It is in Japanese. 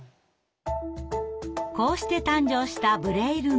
こうして誕生した「ブレイルノイエ」。